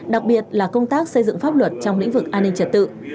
đặc biệt là công tác xây dựng pháp luật trong lĩnh vực an ninh trật tự